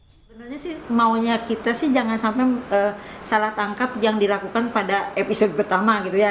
sebenarnya sih maunya kita sih jangan sampai salah tangkap yang dilakukan pada episode pertama gitu ya